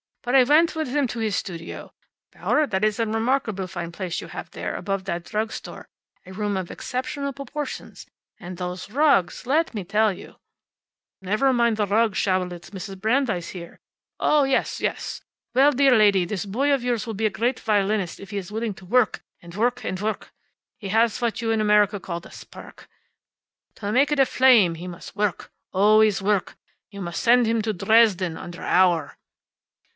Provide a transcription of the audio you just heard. But I went with him to his studio Bauer, that is a remarkably fine place you have there, above that drug store; a room of exceptional proportions. And those rugs, let me tell you " "Never mind the rugs, Schabelitz. Mrs. Brandeis here " "Oh, yes, yes! Well, dear lady, this boy of yours will be a great violinist if he is willing to work, and work, and work. He has what you in America call the spark. To make it a flame he must work, always work. You must send him to Dresden, under Auer."